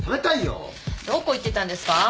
どこ行ってたんですか？